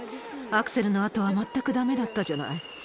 アクセルのあとは全くだめだったじゃない。